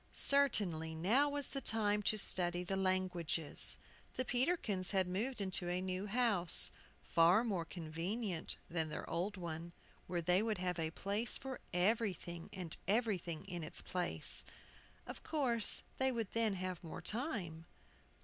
CERTAINLY now was the time to study the languages. The Peterkins had moved into a new house, far more convenient than their old one, where they would have a place for everything and everything in its place. Of course they would then have more time.